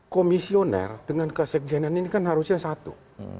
komisioner dengan kesekjenan ini kan harusnya satu